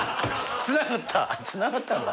つながった！